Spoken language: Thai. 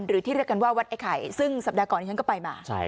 หรือที่เรียกกันว่าวัดไอ้ไข่ซึ่งสัปดาห์ก่อนที่ฉันก็ไปมา